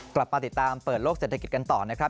กลับมาติดตามเปิดโลกเศรษฐกิจกันต่อนะครับ